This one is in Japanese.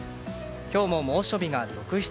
今日も猛暑日が続出。